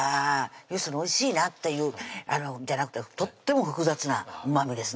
要するにおいしいなっていうんじゃなくてとっても複雑なうまみですね